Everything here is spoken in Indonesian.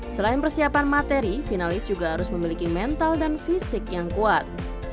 selain persiapan materi finalis juga harus memiliki mental dan fisik yang kuat